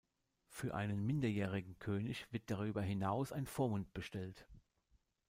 Für einen minderjährigen König wird darüber hinaus ein Vormund bestellt.